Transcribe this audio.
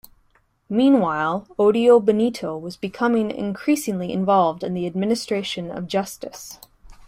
Meanwhile, Odio Benito was becoming increasingly involved in the administration of justice.